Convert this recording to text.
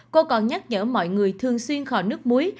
cô còn nhắc nhở mọi người thường xuyên khỏi nước muối